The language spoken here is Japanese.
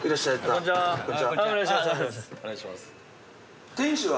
こんちは。